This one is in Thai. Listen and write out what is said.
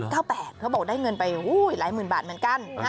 เขาบอกได้เงินไปหลายหมื่นบาทเหมือนกัน